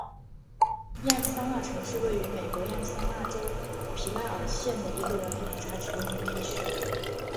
亚利桑那城是位于美国亚利桑那州皮纳尔县的一个人口普查指定地区。